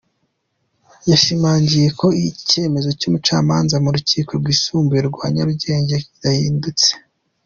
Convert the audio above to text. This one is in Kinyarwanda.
Yashimangiye ko icyemezo cy’umucamanza mu rukiko rwisumbuye rwa Nyarugenge kidahindutse.